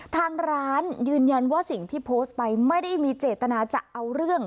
ทางร้านยืนยันว่าสิ่งที่โพสต์ไปไม่ได้มีเจตนาจะเอาเรื่อง